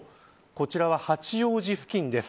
こちらは八王子付近です。